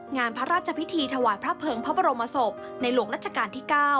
งานพระราชพิธีถวายพระเภิงพระบรมศพในหลวงรัชกาลที่๙